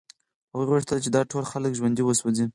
هغوی غوښتل چې دا ټول خلک ژوندي وسوځوي